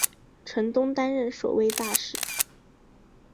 陈东担任首位大使。